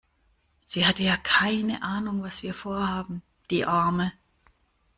Sie hat ja keine Ahnung was wir Vorhaben. Die Arme.